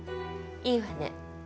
いいわね。